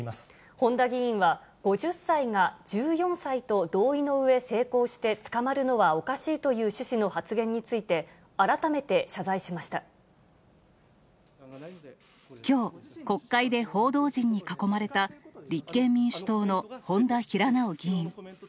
本多議員は、５０歳が１４歳と、同意のうえ性交して捕まるのはおかしいという趣旨の発言について、きょう、国会で報道陣に囲まれた、立憲民主党の本多平直議員。